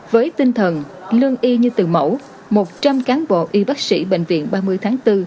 với tinh thần lương y như từ mẫu một trăm linh cán bộ y bác sĩ bệnh viện ba mươi tháng bốn